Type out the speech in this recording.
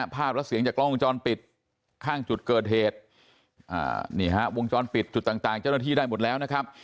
ภาพและเสียงจากกล้องวงจรปิดข้างจุดเกิดเหตุนี่ฮะวงจรปิดจุดต่างเจ้าหน้าที่ได้หมดแล้วนะครับ